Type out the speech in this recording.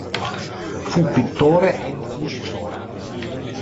Fu pittore ed incisore.